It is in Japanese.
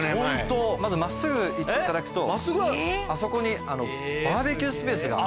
まず真っすぐ行っていただくとあそこにバーベキュースペースが。